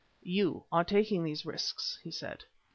"You are taking these risks," he said.